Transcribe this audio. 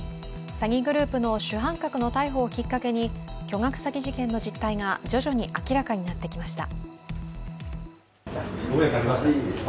詐欺グループの主犯格の逮捕をきっかけに、巨額詐欺事件の実態が徐々に明らかになってきました。